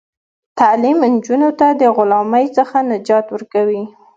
تعلیم نجونو ته د غلامۍ څخه نجات ورکوي.